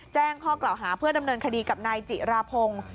แจ้งข้อกล่าวหาเพื่อดำเนินคดีกับนายจิราพงศ์